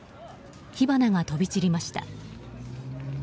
火花が飛び散りました。